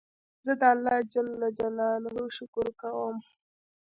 زه د الله جل جلاله شکر کوم.